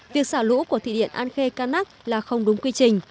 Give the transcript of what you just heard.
xả lũ của thủy điện an khê can nắc là không đúng quy trình